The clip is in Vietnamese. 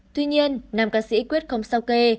tuy nhiên nam ca sĩ quyết không sau kê